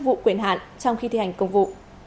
vụ quyền hạn trong khi thi hành công vụ